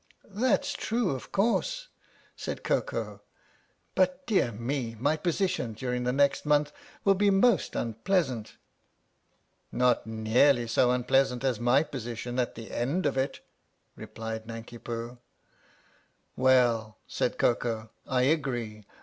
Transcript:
"That's true, of course," said Koko; "but, dear me my position during the next month will be most unpleasant." " Not nearly so unpleasant as my position at the end of it," replied Nanki Poo. "Well," said Koko, " I agree.